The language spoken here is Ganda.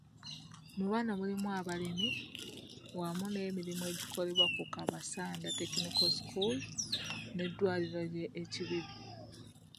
Mu bano mulimu abalimi wamu n'emirimu egikolebwa ku Kabasanda Technical School, n'eddwaliro lye e Kibibi.